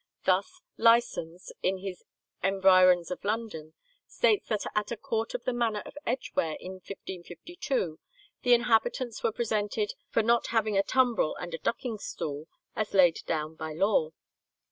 Thus Lysons, in his "Environs of London," states that at a court of the Manor of Edgware in 1552 the inhabitants were presented for not having a tumbrel and a ducking stool as laid down by law.